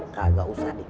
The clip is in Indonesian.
kalo kagak ada duitnya